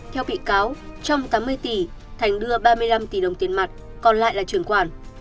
theo bị cáo trong tám mươi tỷ thành đưa ba mươi năm tỷ đồng tiền mặt còn lại là chuyển khoản